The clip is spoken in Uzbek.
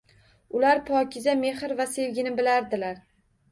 Ular pokiza mehr va sevgini bilardilar